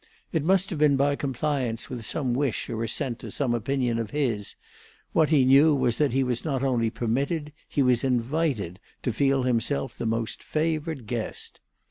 It must have been by compliance with some wish or assent to some opinion of his; what he knew was that he was not only permitted, he was invited, to feel himself the most favoured guest.